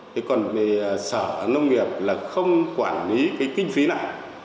thế còn sở nông nghiệp là không quản lý cái kinh phí này